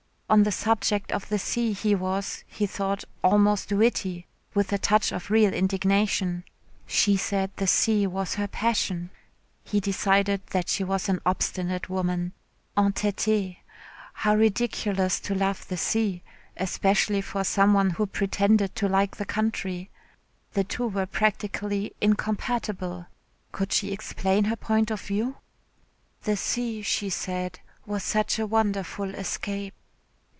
On the subject of the sea he was, he thought, almost witty, with a touch of real indignation. She said the sea was her passion.... He decided that she was an obstinate woman entêtée. How ridiculous to love the sea especially for some one who pretended to like the country. The two were practically incompatible. Could she explain her point of view? The sea, she said, was such a wonderful escape....